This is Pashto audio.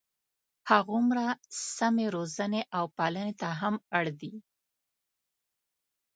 هغومره سمې روزنې او پالنې ته هم اړ دي.